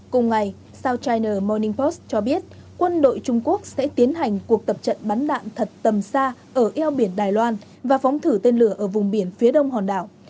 cùng ngày sout china moning post cho biết quân đội trung quốc sẽ tiến hành cuộc tập trận bắn đạn thật tầm xa ở eo biển đài loan và phóng thử tên lửa ở vùng biển phía đông hòn đảo